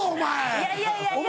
いやいやいやいや。